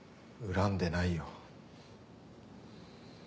恨んでない？